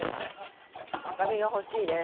赤身が欲しいです！